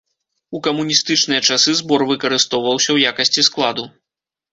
У камуністычныя часы збор выкарыстоўваўся ў якасці складу.